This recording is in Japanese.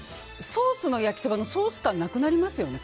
ソース焼きそばのソース感がなくなりますよね。